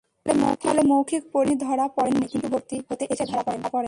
ফলে মৌখিক পরীক্ষায় তিনি ধরা পড়েননি, কিন্তু ভর্তি হতে এসে ধরা পড়েন।